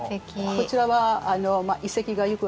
こちらは遺跡がよくあるイスパハン。